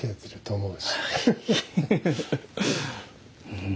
うん。